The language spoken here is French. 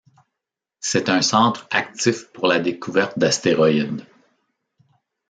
C'est un centre actif pour la découverte d'astéroïdes.